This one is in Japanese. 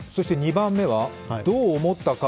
２番目はどう思ったか？